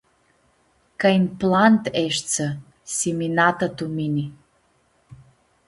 Ca inplant eshtsã, siminatã tu mini.